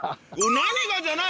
何がじゃない！